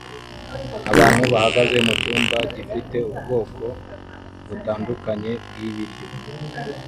Abantu bahagaze mucyumba gifite ubwoko butandukanye bwibiryo